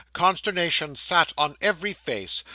Consternation sat on every face.